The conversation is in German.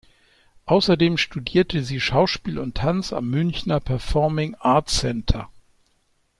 Außerdem studierte sie Schauspiel und Tanz am Münchener Performing Art Center.